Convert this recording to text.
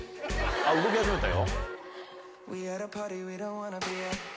動き始めたよ。